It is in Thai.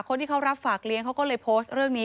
คนที่เขารับฝากเลี้ยงเขาก็เลยโพสต์เรื่องนี้